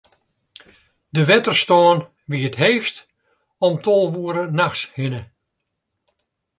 De wetterstân wie it heechst om tolve oere nachts hinne.